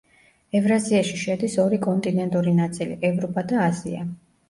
ევრაზიაში შედის ორი კონტინენტური ნაწილი: ევროპა და აზია.